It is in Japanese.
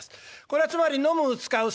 これはつまり飲む打つ買う